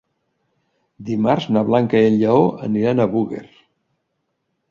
Dimarts na Blanca i en Lleó aniran a Búger.